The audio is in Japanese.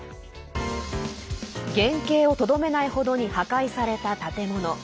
原形をとどめないほどに破壊された建物。